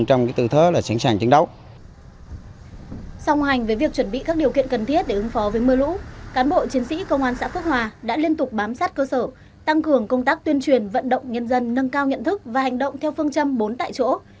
trong hành với việc chuẩn bị các điều kiện cần thiết để ứng phó với mưa lũ cán bộ chiến sĩ công an xã phước hòa đã liên tục bám sát cơ sở tăng cường công tác tuyên truyền vận động nhân dân nâng cao nhận thức và hành động theo phương châm bốn tại chỗ